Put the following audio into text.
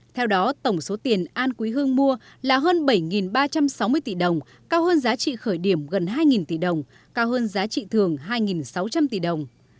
theo đó tổng số tiền an quý hương mua là hơn bảy ba trăm sáu mươi tỷ đồng cao hơn giá trị khởi điểm gần hai tỷ đồng cao hơn giá trị thường hai sáu trăm linh tỷ đồng